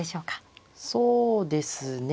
そうですね。